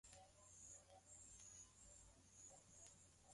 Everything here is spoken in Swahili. mkulima anapaswa kupalilia viazi vitamu katika miezi miwili ya kwanza